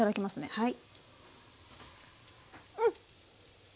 はい。